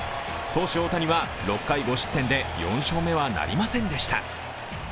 投手・大谷は６回５失点で４勝目はなりませんでした。